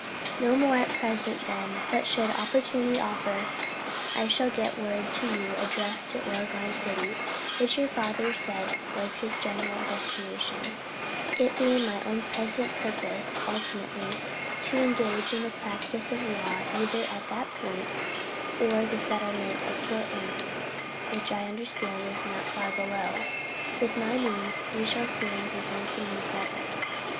No more at present then, but should Opportunity offer I shall get word to you addressed to Oregon City which your father said was his general Desstination, it being my own present purpose Ultimately to engage in the Practise of law either at that Point or the settlement of Portland which I understand is not far Below. With my Means, we should soon be Handsomely Settled.